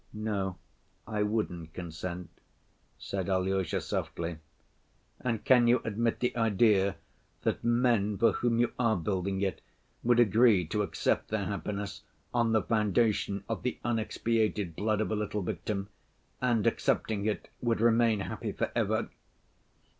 "No, I wouldn't consent," said Alyosha softly. "And can you admit the idea that men for whom you are building it would agree to accept their happiness on the foundation of the unexpiated blood of a little victim? And accepting it would remain happy for ever?"